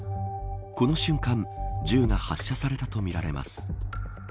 この瞬間銃が発射されたとみられます。